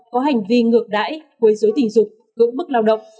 có hành vi ngược đãi quấy dối tình dục cưỡng bức lao động